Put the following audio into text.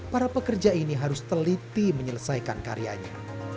para pekerja ini harus teliti menyelesaikan karyanya